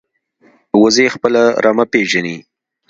وزې خپل رمه پېژني